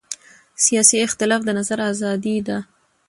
سیاسي اختلاف د نظر ازادي ده